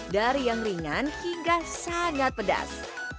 dari yang ringan hingga sangat pedas